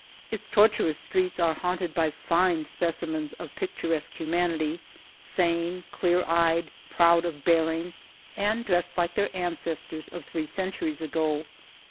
Its tortuous streets are haunted by fine specimens of picturesque humanity, sane, clear eyed, proud of bearing, and dressed like their ancestors of three cen turies ago.